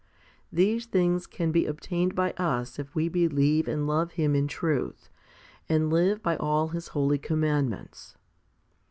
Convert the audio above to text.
These things can be obtained by us if we believe and love Him in truth, and live by all His holy commandments.